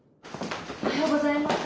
おはようございます。